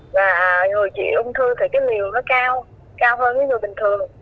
và người chị ung thư thì cái liều nó cao cao hơn người bình thường